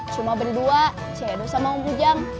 cuma berdua saya dosa sama om pujang